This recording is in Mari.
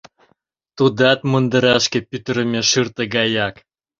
Тудат мундырашке пӱтырымӧ шӱртӧ гаяк.